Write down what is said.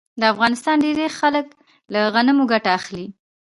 د افغانستان ډیری خلک له غنمو ګټه اخلي.